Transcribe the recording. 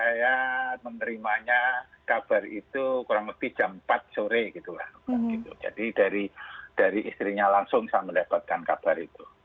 saya menerimanya kabar itu kurang lebih jam empat sore gitu lah jadi dari istrinya langsung saya mendapatkan kabar itu